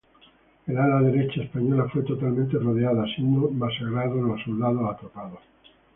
El ala derecha española fue totalmente rodeada, siendo masacrados los soldados atrapados.